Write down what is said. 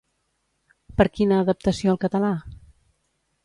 Per quina adaptació al català?